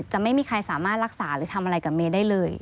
จะไม่มีใครสามารถรักษาหรือทำอะไรกับเมย์ได้เลย